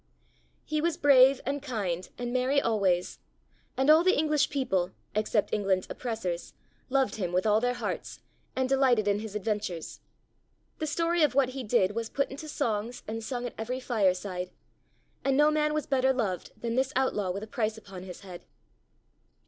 He was brave and kind and merry always, and all the English people except England's oppressors loved him with all their hearts and delighted in his adventures. The story of what he did was put into songs and sung at every fireside; and no man was better loved than this outlaw with a price upon his head.